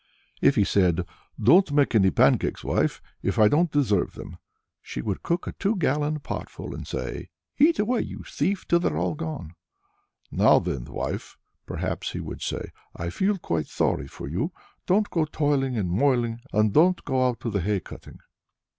If he said: "Don't make any pancakes, wife, if I don't deserve them," she would cook a two gallon pot full, and say, "Eat away, you thief, till they're all gone!" "Now then, wife," perhaps he would say, "I feel quite sorry for you; don't go toiling and moiling, and don't go out to the hay cutting."